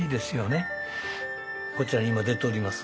こちらに今出ております